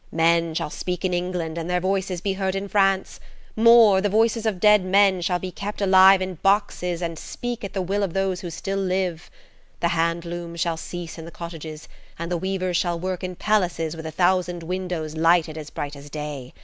Men shall speak in England and their voice be heard in France–more, the voices of men dead shall be kept alive in boxes and speak at the will of those who still live. The handlooms shall cease in the cottages, and the weavers shall work in palaces with a thousand windows lighted as bright as day.